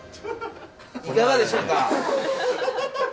いかがでしょうか？